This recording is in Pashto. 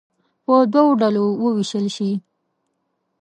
په دوو ډلو ووېشل شي.